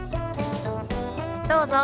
どうぞ。